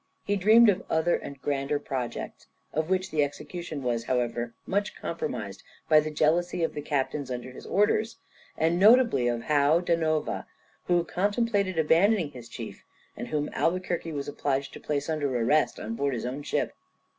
He dreamed of other and grander projects, of which the execution was, however, much compromised by the jealousy of the captains under his orders, and notably of Joao da Nova, who contemplated abandoning his chief, and whom Albuquerque was obliged to place under arrest on board his own ship.